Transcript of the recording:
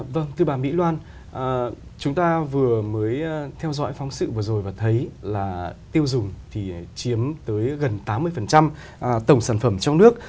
vâng thưa bà mỹ loan chúng ta vừa mới theo dõi phóng sự vừa rồi và thấy là tiêu dùng thì chiếm tới gần tám mươi tổng sản phẩm trong nước